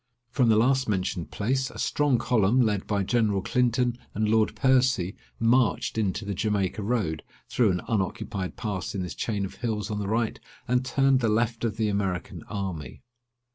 From the last mentioned place, a strong column, led by General Clinton and Lord Percy, marched into the Jamaica Road, through an unoccupied pass in this chain of hills on the right, and turned the left of the American army.